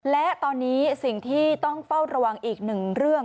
และตอนนี้สิ่งที่ต้องเฝ้าระวังอีกหนึ่งเรื่อง